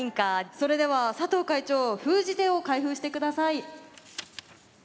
それでは佐藤会長封じ手を開封してください。